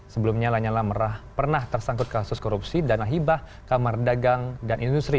sebelumnya lanyala pernah tersangkut kasus korupsi dana hibah kamar dagang dan industri